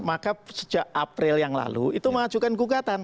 maka sejak april yang lalu itu mengajukan gugatan